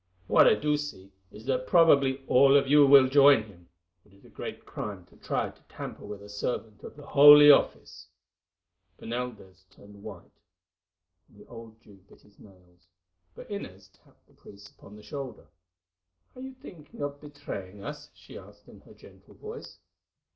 What I do see, is that probably all of you will join him. It is a great crime to try to tamper with a servant of the Holy Office." Bernaldez turned white, and the old Jew bit his nails; but Inez tapped the priest upon the shoulder. "Are you thinking of betraying us?" she asked in her gentle voice.